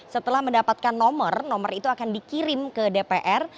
setelah mendapatkan nomor nomor itu akan dikirim ke dpr